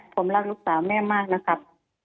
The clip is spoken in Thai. ผมรักลูกสาวแม่มากนะครับ